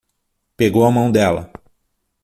Pegou a mão dela